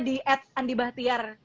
di at andi bahtiar